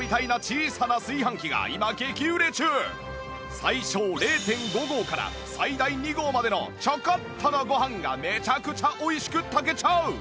最小 ０．５ 合から最大２合までのちょこっとのご飯がめちゃくちゃ美味しく炊けちゃう！